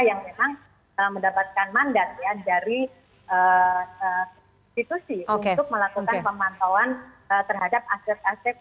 yang memang mendapatkan mandat dari institusi untuk melakukan pemantauan terhadap aset aset